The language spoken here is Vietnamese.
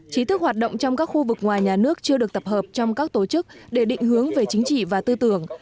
trí thức hoạt động trong các khu vực ngoài nhà nước chưa được tập hợp trong các tổ chức để định hướng về chính trị và tư tưởng